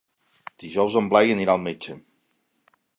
Dijous en Blai anirà al metge.